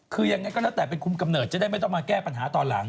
คือยังไงก็แล้วแต่เป็นคุมกำเนิดจะได้ไม่ต้องมาแก้ปัญหาตอนหลัง